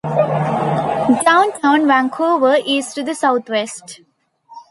Downtown Vancouver is to the southwest.